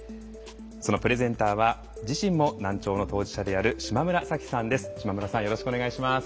そのプレゼンターは自身も難聴の当事者である志磨村早紀さんです。